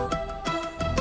nih aku tidur